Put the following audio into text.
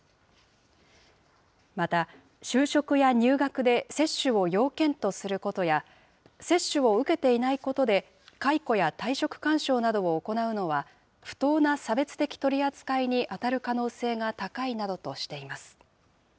また、就職や入学で接種を要件とすることや、接種を受けていないことで、解雇や退職勧奨などを行うのは、不当な差別的取り扱いに当たる可能性が高いなどとしています。